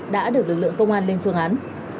đã được lực lượng công an lên phương án